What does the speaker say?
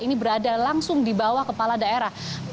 ini berada langsung di bawah kepala daerah